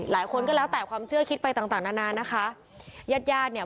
หลายคนก็แล้วแต่ความเชื่อคิดไปต่างต่างนานานะคะญาติญาติเนี่ย